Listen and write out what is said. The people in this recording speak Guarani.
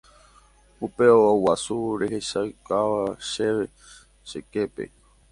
Upe óga guasu rehechaukava'ekue chéve che képe.